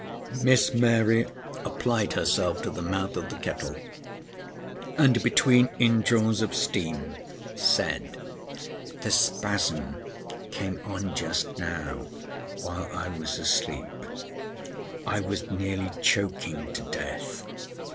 Miss Mary applied herself to the mouth of the kettle, and between indraws of steam said: "The spasm came on just now, while I was asleep. I was nearly choking to death.